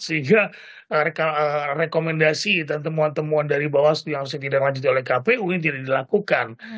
sehingga rekomendasi dan temuan temuan dari bawaslu yang harus ditindaklanjuti oleh kpu ini tidak dilakukan